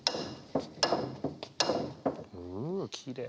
ううきれい。